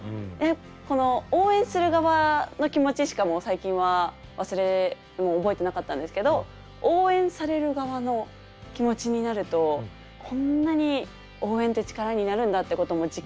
この応援する側の気持ちしか最近はもう覚えてなかったんですけど応援される側の気持ちになるとこんなに応援って力になるんだってことも実感できたので。